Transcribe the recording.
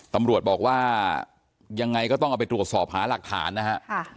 ตำรวจบอกว่ายังไงก็ต้องเอาไปตรวจสอบหาหลักฐานนะฮะ